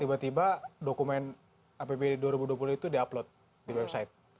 tiba tiba dokumen apbd dua ribu dua puluh itu di upload di website